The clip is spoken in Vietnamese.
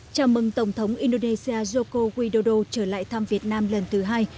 chào mừng tổng thống indonesia joko widodo trở lại thăm việt nam lần thứ hai